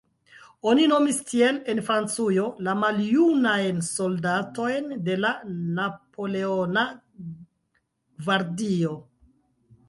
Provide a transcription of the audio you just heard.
Oni nomis tiel, en Francujo, la maljunajn soldatojn de la Napoleona gvardio.